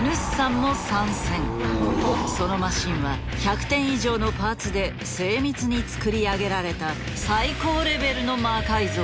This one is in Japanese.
そのマシンは１００点以上のパーツで精密に作り上げられた最高レベルの魔改造だった。